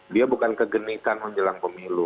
dia bukan kegenitan menjelang pemilu